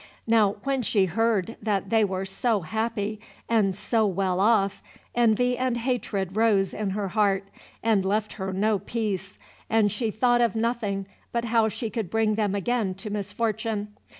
Now when she heard that they were so happy, and so well off, envy and hatred rose in her heart and left her no peace, and she thought of nothing but how she could bring them again to misfortune.